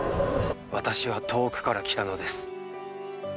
私は遠くから来たのです。